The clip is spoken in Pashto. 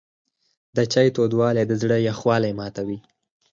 د چای تودوالی د زړه یخوالی ماتوي.